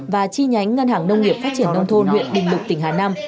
và chi nhánh ngân hàng nông nghiệp phát triển nông thôn huyện bình lục tỉnh hà nam